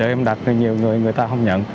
em đặt nhiều người người ta không nhận